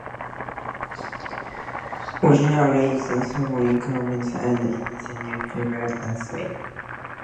Originally, the Sovereign created and invested new peers personally.